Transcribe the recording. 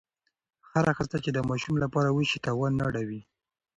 هره هڅه چې د ماشوم لپاره وشي، تاوان نه اړوي.